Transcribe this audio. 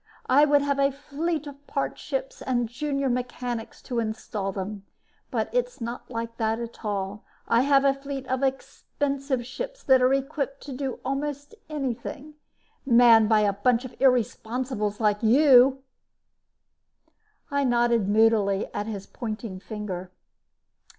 I would have a fleet of parts ships and junior mechanics to install them. But its not like that at all. I have a fleet of expensive ships that are equipped to do almost anything manned by a bunch of irresponsibles like you." I nodded moodily at his pointing finger.